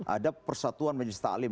ada persatuan majelis ta'lim